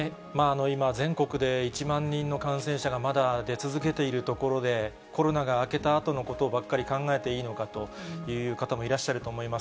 今、全国で１万人の感染者がまた出続けているところで、コロナが明けたあとのことばっかり考えていいのかという方もいらっしゃると思います。